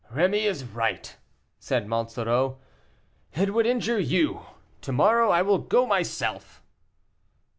"Rémy is right," said Monsoreau, "it would injure you; to morrow I will go myself."